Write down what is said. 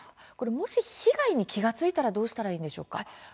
もし被害に気付いたらどうしたらいいんでしょうか。